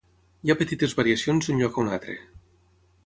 Hi ha petites variacions d'un lloc a un altre.